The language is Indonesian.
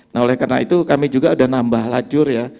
nah oleh karena itu kami juga sudah nambah lajur ya